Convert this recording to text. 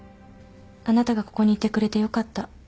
あなたがここにいてくれてよかった。